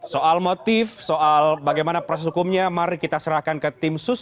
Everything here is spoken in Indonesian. soal motif soal bagaimana proses hukumnya mari kita serahkan ke tim sus